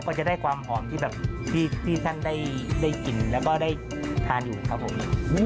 ก็จะได้ความหอมที่แบบที่ท่านได้กินแล้วก็ได้ทานอยู่ครับผม